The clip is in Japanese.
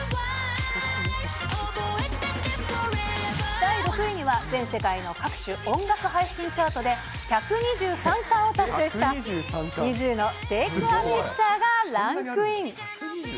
第６位には、全世界の各種音楽配信チャートで１２３冠を達成したＮｉｚｉＵのテーク・ア・ピクチャーがランクイン。